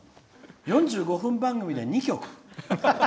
４５分番組で２曲。